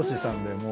もう。